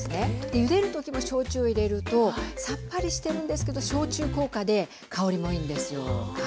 でゆでる時も焼酎を入れるとさっぱりしてるんですけど焼酎効果で香りもいいんですよ。